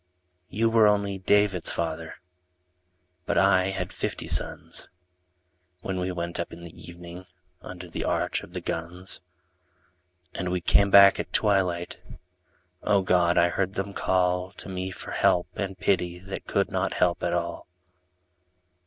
You were, only David's father, But I had fifty sons When we went up in the evening Under the arch of the guns, And we came back at twilight — O God ! I heard them call To me for help and pity That could not help at all.